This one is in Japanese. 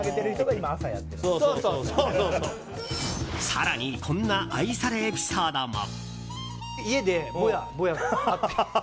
更に、こんな愛されエピソードも。